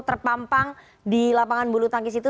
terpampang di lapangan bulutangkis itu